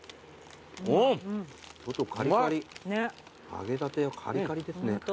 揚げたてはカリカリですね。